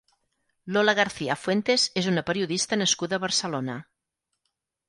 Lola Garcia Fuentes és una periodista nascuda a Barcelona.